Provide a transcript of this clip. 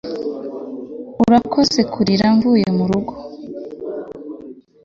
urakoze kurira mvuye murugo